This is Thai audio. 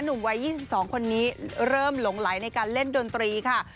หนุ่มวัย๒๒คนนี้เริ่มหลงไหลในการเล่นดนตรีค่ะ